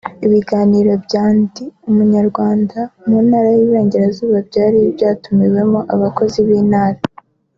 Ibiganiro bya « Ndi Umunyarwanda » mu Ntara y’Iburengerazuba byari byatumiwemo abakozi b’Intara